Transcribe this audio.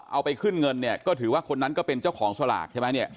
เอาไปขึ้นเงินเนี่ยก็ถือว่าคนนั้นก็เป็นเจ้าของสลากใช่ไหมเนี่ย